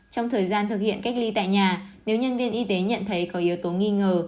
trong thời gian thực hiện cách ly tại nhà nếu nhân viên y tế nhận thấy có yếu tố nghi ngờ